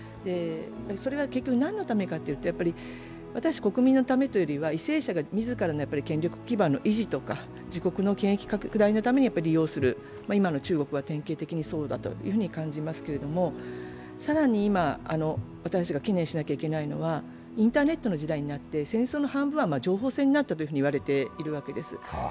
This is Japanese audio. それは結局、何のためかというと、国民のためというよりは為政者が自らの権力基盤の維持だとか自国の権益拡大のために利用する、今の中国が典型的にそうだと感じますけれども、更に今、私たちが懸念しなければいけないのはインターネットの時代になって、戦争の半分は情報戦になったといわれているわけです。